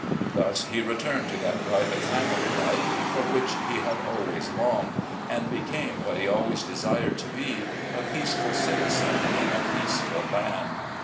Thus he returned to that private family life for which he had always longed, and became what he always desired to be — a peaceful citizen in a peaceful land.